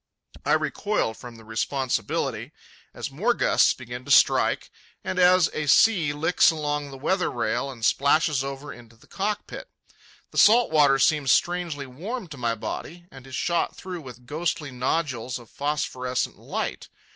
I recoil from the responsibility as more gusts begin to strike and as a sea licks along the weather rail and splashes over into the cockpit. The salt water seems strangely warm to my body and is shot through with ghostly nodules of phosphorescent light.